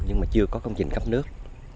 nhưng chưa có công trình cấp nước